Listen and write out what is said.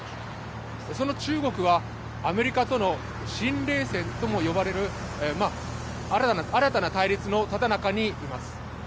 その中国は、アメリカとの新冷戦とも呼ばれる新たな対立のただ中にいます。